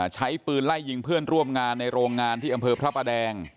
ใช้ปืนไล่ยิงเพื่อนร่วมงานในโรงงานที่อำเภอพระประแดง